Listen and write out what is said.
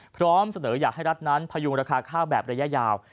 พร้อมเสนออยากให้รัฐนั้นพยุงราคาข้าวแบบระยะยาว